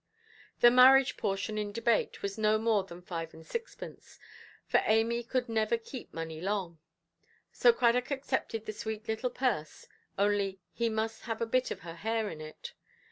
The marriage–portion in debate was no more than five and sixpence, for Amy could never keep money long; so Cradock accepted the sweet little purse, only he must have a bit of her hair in it.